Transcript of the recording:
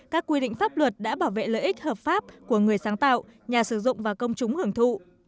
các quy định pháp luật đã bảo vệ lợi ích hợp pháp của người sáng tạo nhà sử dụng và công chúng hưởng thụ